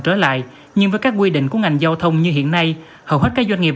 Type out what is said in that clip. trở lại nhưng với các quy định của ngành giao thông như hiện nay hầu hết các doanh nghiệp